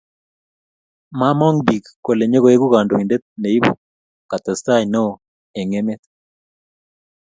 Mamong biik kole nyokoeku kandoindet ne ibu katestai neo eng emet